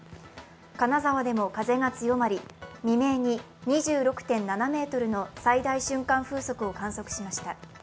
金沢でも風が強まり、未明に２６．７メートルの最大瞬間風速を観測しました。